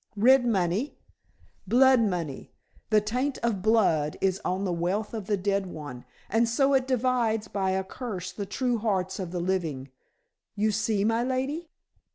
"Red money?" "Blood money. The taint of blood is on the wealth of the dead one, and so it divides by a curse the true hearts of the living. You see, my lady?"